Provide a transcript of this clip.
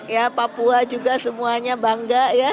ya papua juga semuanya bangga ya